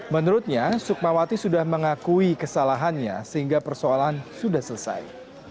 menurutnya sukmawati sudah mengakui kesalahannya sehingga persoalan sudah selesai